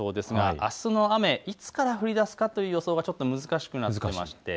あすの雨、いつから降りだすのかという予想が難しくなっています。